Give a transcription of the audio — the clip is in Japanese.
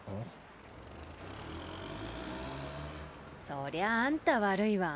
そりゃあんた悪いわ。